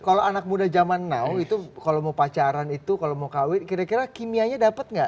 kalau anak muda zaman now itu kalau mau pacaran itu kalau mau kawin kira kira kimianya dapat nggak